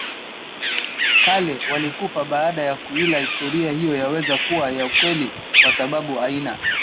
kale walikufa baada ya kuila Historia hiyo yaweza kuwa ya ukweli kwa sababu aina